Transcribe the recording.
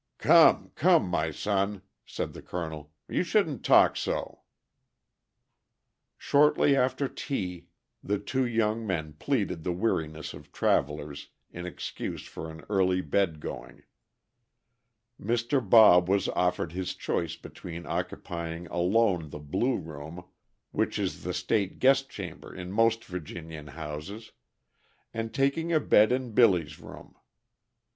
"Come, come, my son," said the colonel, "you shouldn't talk so." Shortly after tea the two young men pleaded the weariness of travelers in excuse for an early bed going. Mr. Bob was offered his choice between occupying alone the Blue Room, which is the state guest chamber in most Virginian houses, and taking a bed in Billy's room.